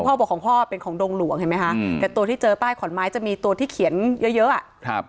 คุณพ่อบอกของพ่อเป็นของดงหลวงแต่ตัวที่เจอใต้ขอนไม้จะมีตัวที่เขียนเยอะ